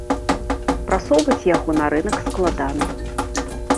Прасоўваць яго на рынак складана.